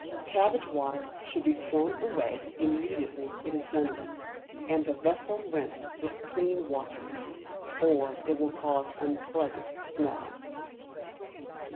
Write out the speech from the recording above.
Cabbage Water should be thrown away immediately it is done with, and the vessel rinsed with clean water, or it will cause unpleasant smells.